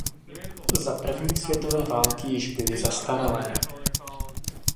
Za první světové války již byly zastaralé.